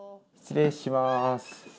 失礼します。